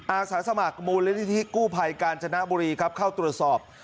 อาสาสมัครมูลนิธิกู้ภัยกาญจนบุรีครับเข้าตรวจสอบ